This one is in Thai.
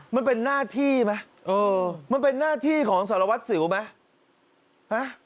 มันเป็นหน้าที่ไหมเออมันเป็นหน้าที่ของสารวัตรสิวไหม